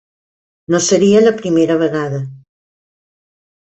No seria la primera vegada.